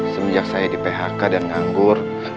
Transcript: semenjak saya di phk dan anggur